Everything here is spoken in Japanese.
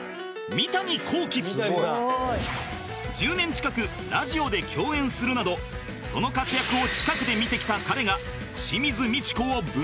１０年近くラジオで共演するなどその活躍を近くで見てきた彼が